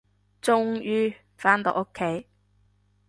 終於，返到屋企